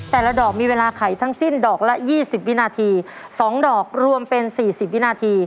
แต่ละดอกมีเวลาไข่ทั้งสิ้นดอกละยี่สิบวินาทีสองดอกรวมเป็นสี่สิบวินาที